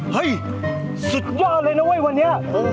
เฮ้ยสุดยอดเลยนะเว้ยวันนี้